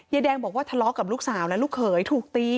แดงบอกว่าทะเลาะกับลูกสาวและลูกเขยถูกตี